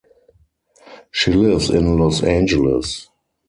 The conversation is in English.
She lives in Los Angeles.